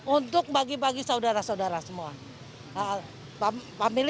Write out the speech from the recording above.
untuk bagi bagi saudara saudara semua